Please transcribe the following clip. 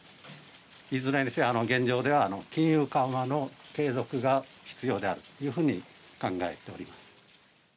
いずれにせよ、現状では金融緩和の継続が必要であるというふうに考えております。